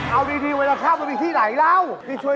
เอาดีไว้แล้วข้าวมันอยู่ที่ไหนแล้ว